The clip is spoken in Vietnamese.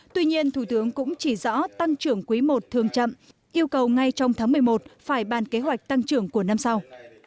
tuy nhiên thủ tướng cũng chỉ rõ tăng trưởng quý i thường chậm yêu cầu ngay trong tháng một mươi một phải bàn kế hoạch tăng trưởng của năm sau